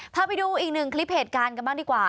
พาไปดูอีกหนึ่งคลิปเหตุการณ์กันบ้างดีกว่า